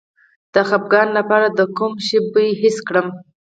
د خپګان لپاره د کوم شي بوی حس کړم؟